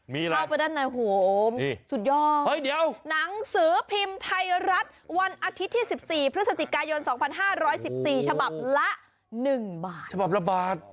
มีอะไรสุดยอดนังสือพิมพ์ไทยรัฐวันอาทิตย์ที่๑๔พฤศจิกายน๒๕๑๔ฉบับละ๑บาท